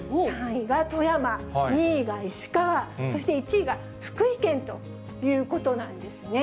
３位が富山、２位が石川、そして１位が福井県ということなんですね。